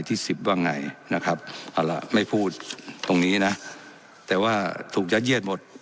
ที่สิบว่าไงนะครับเอาล่ะไม่พูดตรงนี้นะแต่ว่าถูกยัดเยียดหมด